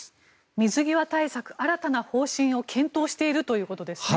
水際対策、新たな方針を検討しているということですね。